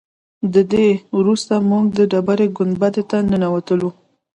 تر دې وروسته موږ د ډبرې ګنبدې ته ننوتلو.